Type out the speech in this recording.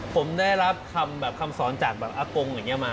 ผมได้รับคำแบบคำสอนจากแบบอากงอย่างนี้มา